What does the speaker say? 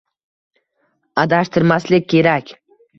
Adashtirmaslik kerak.